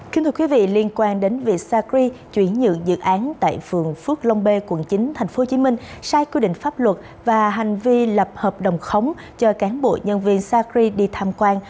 kính thưa quý vị liên quan đến việc sacri chuyển nhượng dự án tại phường phước long b quận chín tp hcm sai quy định pháp luật và hành vi lập hợp đồng khống cho cán bộ nhân viên sacri đi tham quan